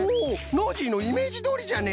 ノージーのイメージどおりじゃね！